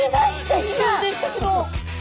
一瞬でしたけど。